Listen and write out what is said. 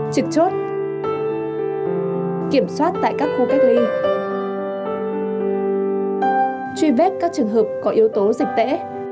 trực chốt kiểm soát tại các khu cách ly truy vết các trường hợp có yếu tố dịch tễ